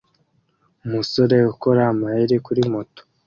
Umusore ukora amayeri kuri moto